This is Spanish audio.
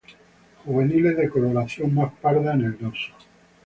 Juveniles de coloración más parda, en el dorso.